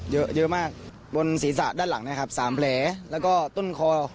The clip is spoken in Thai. เยอะเยอะมากบนศรีษะด้านหลังเนี้ยครับสามแผลแล้วก็ตุ้นคอ